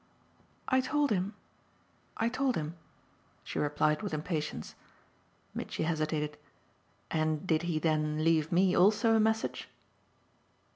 "I told him I told him," she replied with impatience. Mitchy hesitated. "And did he then leave me also a message?"